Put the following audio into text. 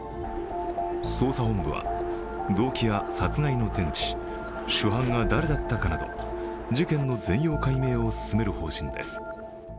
捜査本部は、動機や殺害の手口主犯が誰だったかなど事件の全容解明を進める方針です。